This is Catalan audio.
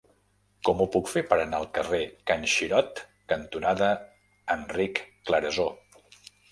Com ho puc fer per anar al carrer Can Xirot cantonada Enric Clarasó?